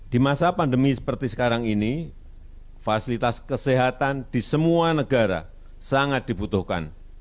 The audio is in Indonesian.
di masa pandemi seperti sekarang ini fasilitas kesehatan di semua negara sangat dibutuhkan